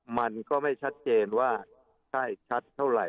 มันก็ไม่ชัดเจนว่าใช่ชัดเท่าไหร่